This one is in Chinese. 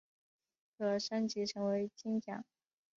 可升级成为金将。